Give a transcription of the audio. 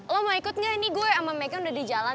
lo mau ikut gak ini gue sama meghan udah di jalan